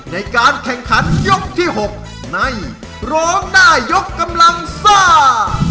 ในการแข่งขันยกที่๖ในร้องได้ยกกำลังซ่า